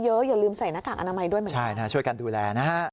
อย่าลืมใส่หน้ากากอนามัยด้วยเหมือนกันใช่นะฮะช่วยกันดูแลนะฮะ